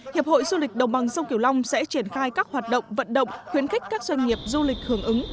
hiệp hội du lịch đồng bằng sông kiều long sẽ triển khai các hoạt động vận động khuyến khích các doanh nghiệp du lịch hưởng ứng